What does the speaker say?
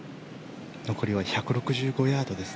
残りは１６５ヤードです。